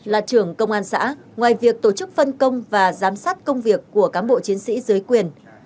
là trưởng công an xã ngoài việc tổ chức phân công và giám sát công việc của cán bộ chiến sĩ dưới quyền